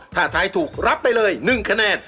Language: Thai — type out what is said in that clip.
ถ้าทายถูกรับไปเลย๑คะแนน